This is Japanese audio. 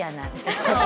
ハハハ！